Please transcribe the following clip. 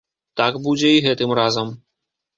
Так будзе і гэтым разам.